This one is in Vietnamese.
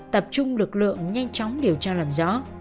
tập trung lực lượng nhanh chóng điều tra làm rõ